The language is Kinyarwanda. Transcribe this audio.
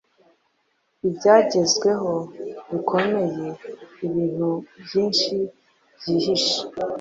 Ibyagezweho bikomeyeibintu byinshi byihishe